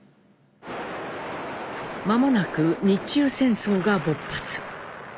間もなく日中戦争が勃発。